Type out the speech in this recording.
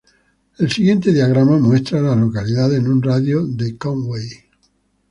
El siguiente diagrama muestra a las localidades en un radio de de Conway.